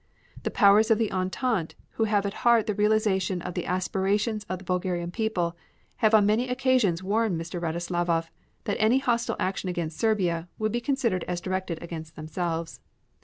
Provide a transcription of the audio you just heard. The powers of the Entente, who have at heart the realization of the aspirations of the Bulgarian people, have on many occasions warned M. Radoslavoff that any hostile act against Serbia would be considered as directed against themselves.